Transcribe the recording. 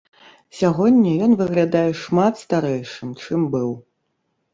Сягоння ён выглядае шмат старэйшым, чым быў.